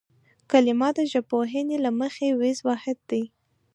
کلمه د ژبپوهنې له مخې وییز واحد دی